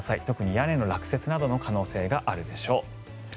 特に屋根の落雪などの可能性があるでしょう。